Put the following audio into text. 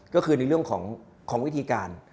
ก็คือในเรื่องของวิธีการ